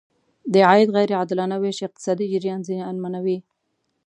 د عاید غیر عادلانه ویش اقتصادي جریان زیانمنوي.